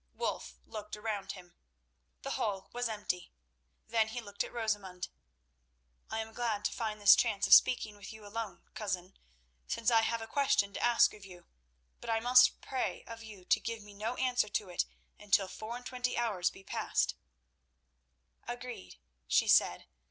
Wulf looked round him. The hall was empty. Then he looked at Rosamund. "I am glad to find this chance of speaking with you alone, Cousin, since I have a question to ask of you; but I must pray of you to give me no answer to it until four and twenty hours be passed." "Agreed," she said.